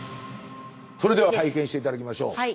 それでは体験して頂きましょう。